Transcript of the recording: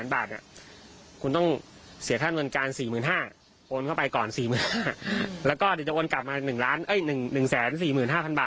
ลองยึมเพื่อนดูก่อนนะ